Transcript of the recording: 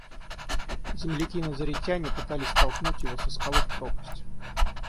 Земляки-назаретяне пытались столкнуть его со скалы в пропасть.